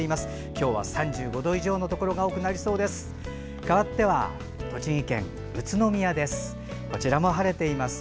今日は３５度以上のところが多くなりそうです。